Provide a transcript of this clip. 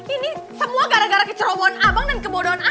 ini semua gara gara kecerobohan abang dan kebodohan apa